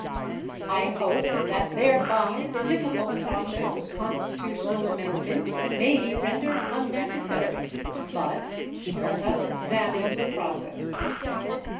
I hope that thereby the difficult process of constitutional amendment may be rendered unnecessary. But let us examine the process.